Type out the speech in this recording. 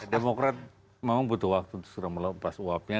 demokrat memang butuh waktu untuk sudah melepas uapnya